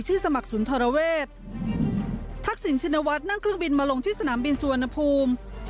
สมัครสุนทรเวศทักษิณชินวัฒน์นั่งเครื่องบินมาลงที่สนามบินสุวรรณภูมิ